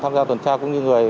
tham gia tuần tra cũng như người